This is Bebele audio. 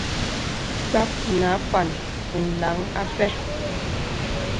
Kpap ìnə àpan làŋ àpɛ.